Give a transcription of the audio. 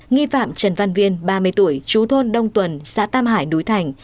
nghi phạm trần văn viên ba mươi tuổi chú thôn đông tuần xã tam hải núi thành